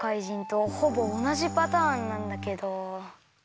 じんとほぼおなじパターンなんだけど。